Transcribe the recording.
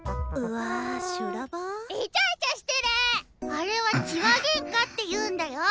あれは痴話げんかって言うんだよ。